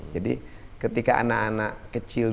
jadi ketika anak anak kecil juga